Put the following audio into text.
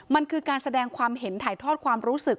มันคือการแสดงความเห็นถ่ายทอดความรู้สึก